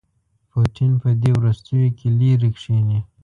پوټین په دې وروستیوکې لیرې کښيني.